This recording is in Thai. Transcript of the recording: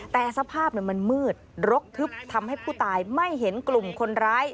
แต่สภาพมันมืดรกทึบทำให้ผู้ตายไม่เห็นกลุ่มคนร้าย